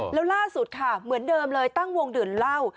แล้วล่าสุดค่ะเหมือนเดิมเลยตั้งวงดื่มเหล้า